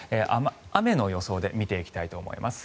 雨の予想で見ていきたいと思います。